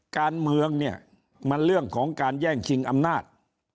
การเมืองเนี่ยมันเรื่องของการแย่งชิงอำนาจ